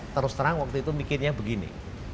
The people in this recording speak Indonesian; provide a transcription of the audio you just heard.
terus terang waktu itu mikirnya begini